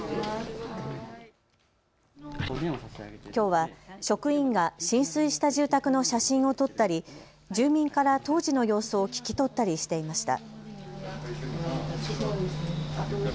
きょうは職員が浸水した住宅の写真を撮ったり住民から当時の様子を聞き取ったりしていました。